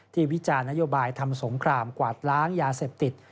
วิจารณ์นโยบายทำสงครามกวาดล้างยาเสพติด